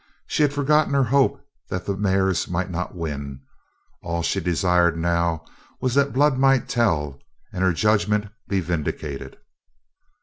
She had forgotten her hope that the mares might not win. All she desired now was that blood might tell and her judgment be vindicated.